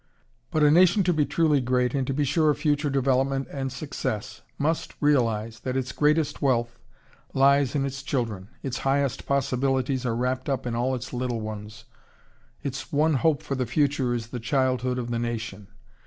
] But a nation to be truly great and to be sure of future development and success must realize that its greatest wealth lies in its children, its highest possibilities are wrapped up in all its little ones, its one hope for the future is in the childhood of the nation.